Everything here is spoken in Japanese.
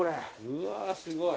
うわーすごい。